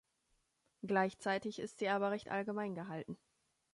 Gleichzeitig ist sie aber recht allgemein gehalten.